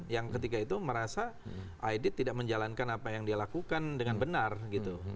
yang ketiga itu merasa aidit tidak menjalankan apa yang dia lakukan dengan benar gitu